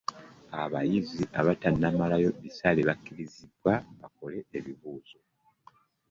Abayizi abatannaba kumalayo bisale bakkirizibwe batuule ebibuuzo.